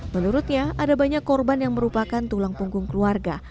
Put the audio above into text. menurutnya ada banyak korban yang merupakan tulang punggung keluarga